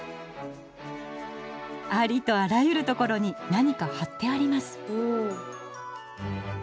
ありとあらゆるところに何かはってあります。